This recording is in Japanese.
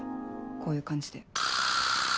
こういう感じで。